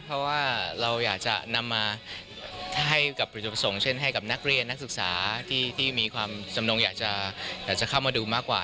เพราะว่าเราอยากจะนำมาให้กับจุดประสงค์เช่นให้กับนักเรียนนักศึกษาที่มีความจำนงอยากจะเข้ามาดูมากกว่า